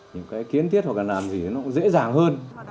những cái kiến tiết hoặc là làm gì thì nó cũng dễ dàng hơn